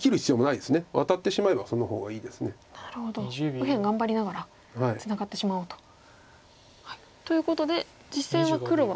右辺頑張りながらツナがってしまおうと。ということで実戦は黒はもう。